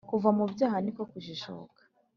kuva mu byaha niko kujijuka.